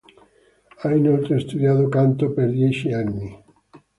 Ha inoltre studiato canto per dieci anni.